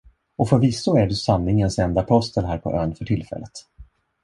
Och förvisso är du sanningens enda apostel här på ön för tillfället.